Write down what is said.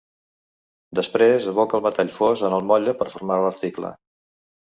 Després, aboca el metall fos en el motlle per formar l'article.